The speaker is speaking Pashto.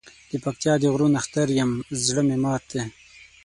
دپکتیا د غرو نښتر یم زړه مي مات دی